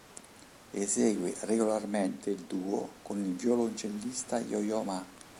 Esegue regolarmente in duo con il violoncellista Yo-Yo Ma.